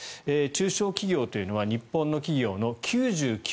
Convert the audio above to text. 中小企業というのは日本の企業の９９．７％。